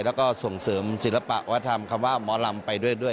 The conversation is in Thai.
แล้วก็ส่งเสริมศิลปะวัฒนธรรมคำว่าหมอลำไปด้วย